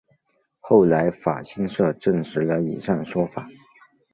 后来法新社证实了以上说法。